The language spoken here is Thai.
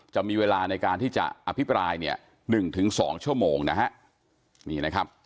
จะมีเวลาในการที่จะอภิปราย๑๒ชั่วโมงนะฮะนี่นะครับ